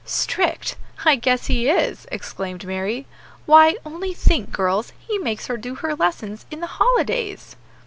"Strict! I guess he is!" exclaimed Mary; "why, only think, girls, he makes her do her lessons in the holidays!"